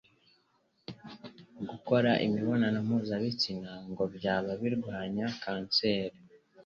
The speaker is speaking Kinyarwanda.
Gukora imibonano mpuzabitsina ngo byaba birwanya kanseri.